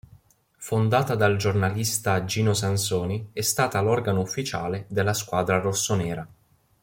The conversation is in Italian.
Fondata dal giornalista Gino Sansoni, è stata l'organo ufficiale della squadra rossonera.